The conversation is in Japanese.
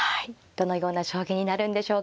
どのような将棋になるんでしょうか。